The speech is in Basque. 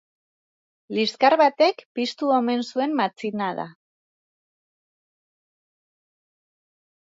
Liskar batek piztu omen zuen matxinada.